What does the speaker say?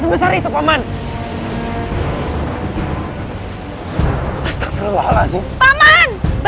anda bisa lihat seseorang hal hal tetap rutin dan muridu dari hidup yangmu